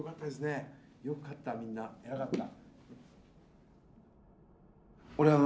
よく勝ったみんな偉かった。